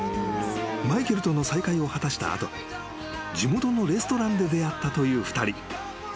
［マイケルとの再会を果たした後地元のレストランで出会ったという２人］